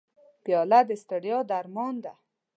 پیاله د ستړیا درمان ده.